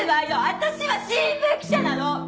私は新聞記者なの！